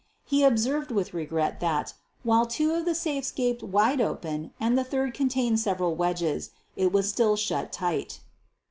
He observed with regret that, while two of the safes gaped wide open and the third contained several wedges, it was still shut tight.